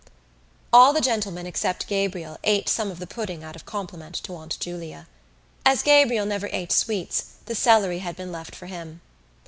All the gentlemen, except Gabriel, ate some of the pudding out of compliment to Aunt Julia. As Gabriel never ate sweets the celery had been left for him.